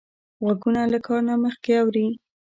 غوږونه له کار نه مخکې اوري